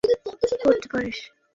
থানায় এসে অভিযোগ করতে পারিস।